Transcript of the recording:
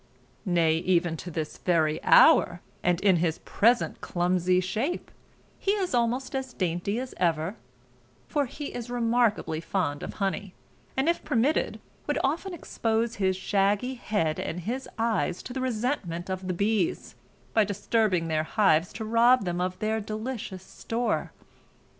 Nay, even to this very hour, and in his present clumsy shape, he is almost as dainty as ever; for he is remarkably fond of honey, and if permitted would often expose his shaggy head and his eyes to the resentment of the bees, by disturbing their hives to rob them of their delicious store.